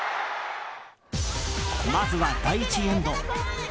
まずは第１エンド。